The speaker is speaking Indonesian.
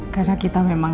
karena kita memang